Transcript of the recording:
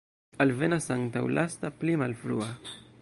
Alvenas antaulasta, pli malfrua.